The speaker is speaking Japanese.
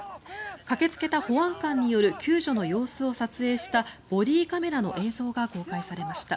駆けつけた保安官による救助の様子を撮影したボディーカメラの映像が公開されました。